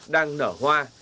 đang nở hoa